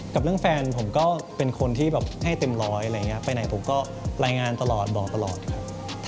กับเรื่องแฟนผมก็เป็นคนที่แบบให้เต็มร้อยอะไรอย่างนี้ไปไหนผมก็รายงานตลอดบอกตลอดครับ